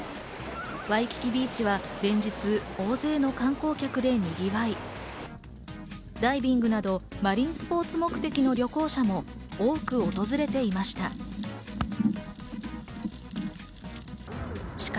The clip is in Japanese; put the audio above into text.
ワイキキビーチは、連日、大勢の観光客でにぎわい、ダイビングなどマリンスポーツ目的の旅行者も多く訪れていました。